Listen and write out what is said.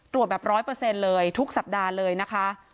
ตรวจแบบ๑๐๐เลยทุกสัปดาห์เลยนะคะ